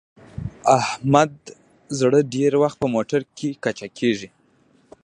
د احمد زړه ډېری وخت په موټرکې کچه کېږي.